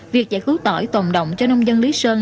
việc giải cứu tỏi tồn động cho nông dân lý sơn